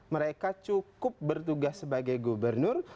mereka cukup bertugas sebagai gubernur